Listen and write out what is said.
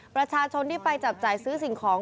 ประชาชนที่ไปจับจ่ายซื้อสิ่งของ